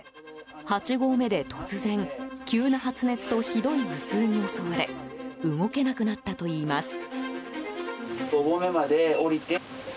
八合目で突然急な発熱とひどい頭痛に襲われ動けなくなったといいます。